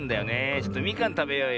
ちょっとみかんたべようよ。